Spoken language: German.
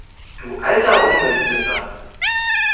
Du alter Umweltsünder!